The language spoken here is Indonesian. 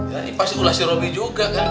ya ini pasti ulah si robby juga kan